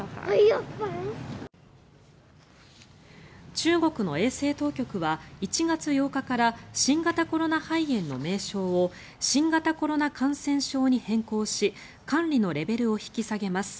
中国の衛生当局は１月８日から新型コロナ肺炎の名称を新型コロナ感染症に変更し管理のレベルを引き下げます。